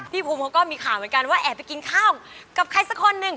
ภูมิเขาก็มีข่าวเหมือนกันว่าแอบไปกินข้าวกับใครสักคนหนึ่ง